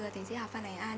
thế giới hạ phan hải an